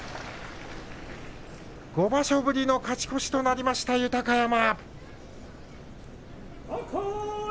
５場所ぶりの勝ち越しとなりました豊山。